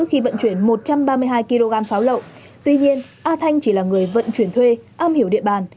khi vận chuyển một trăm ba mươi hai kg pháo lậu tuy nhiên a thanh chỉ là người vận chuyển thuê am hiểu địa bàn